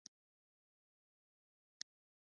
ژبه ټولو حساس خوند اخیستونکې ده.